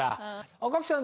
赤木さん